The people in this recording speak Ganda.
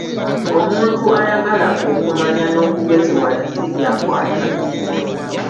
Omuntu ayagala okumanya n'okugeziwala ssi ly'akwata.